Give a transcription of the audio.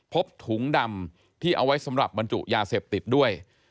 พบถุงดำที่เอาไว้สำหรับบรรจุยาเสพติดด้วย